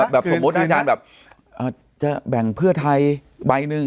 สมมุติอาจารย์แบบจะแบ่งเพื่อไทยใบหนึ่ง